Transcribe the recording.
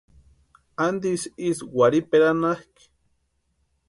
¿Antisï ísï warhiperanhakʼi?